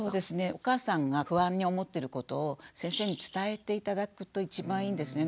お母さんが不安に思ってることを先生に伝えて頂くと一番いいんですね。